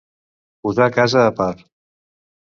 Posar casa a part.